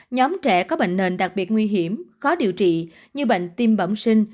nhóm trẻ có bệnh nền đặc biệt nguy hiểm khó điều trị như bệnh tim bẩm sinh